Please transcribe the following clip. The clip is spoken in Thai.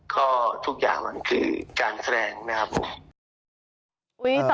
ก็ทุกอย่างมันคือการแสดงนะครับผม